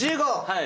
はい！